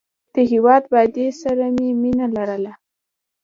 د هېواد بادۍ سره یې مینه لرله.